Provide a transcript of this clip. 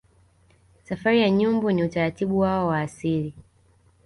Safari ya Nyumbu ni utaratibu wao wa asili